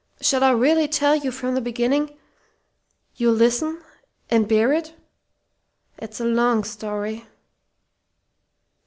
Shall I really tell you from the beginning? You'll listen and bear it? It's a long story."